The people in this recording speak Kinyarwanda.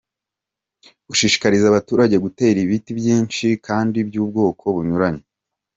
Gushishikariza abaturage gutera ibiti byinshi kandi by’ubwoko bunyuranye ;